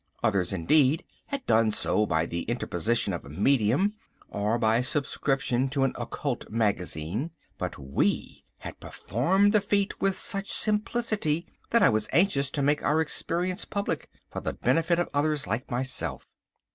Others, indeed, had done so by the interposition of a medium, or by subscription to an occult magazine, but we had performed the feat with such simplicity that I was anxious to make our experience public, for the benefit of others like myself.